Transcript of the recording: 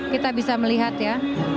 kita bisa melihat ya